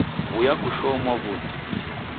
W'uya kushoo mwavuli